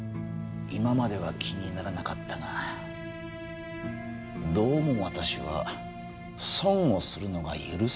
今までは気にならなかったがどうも私は損をするのが許せない性格でね。